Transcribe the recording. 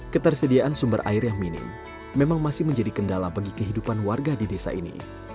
ketersediaan sumber air yang minim memang masih menjadi kendala bagi kehidupan warga di desa ini